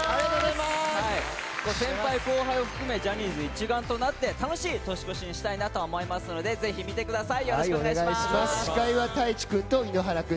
先輩、後輩を含めジャニーズで一丸となって楽しい年越しにしたいなと思いますのでぜひ見てください。